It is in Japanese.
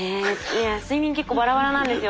いや睡眠結構バラバラなんですよ。